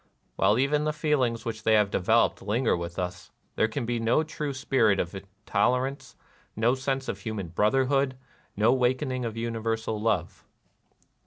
While even the feelings which they have developed linger with us, there can be no true spirit of tolerance, no sense of human brotherhood, no wakening of universal love.